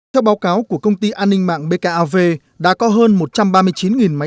theo báo cáo của công ty an ninh mạng bkav đã có hơn một trăm ba mươi chín máy tính đào tiền ảo